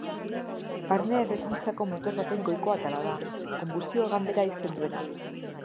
Barne-errekuntzako motor baten goiko atala da, konbustio ganbera ixten duena.